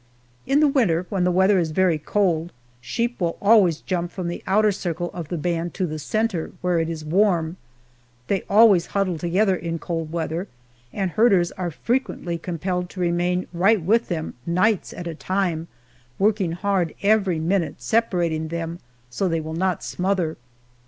In the winter, when the weather is very cold, sheep will always jump from the outer circle of the band to the center, where it is warm; they always huddle together in cold weather, and herders are frequently compelled to remain right with them, nights at a time, working hard every minute separating them so they will not smother.